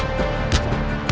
aku mau ke kanjeng itu